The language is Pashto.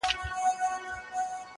ولاړل د فتح سره برېتونه د شپېلیو!!